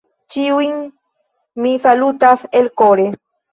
Ĉiujn mi salutas elkore.